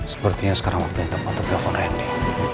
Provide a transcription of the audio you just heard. sepertinya sekarang waktu yang tepat untuk telepon randy